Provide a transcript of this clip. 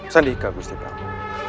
sandika gusti prabu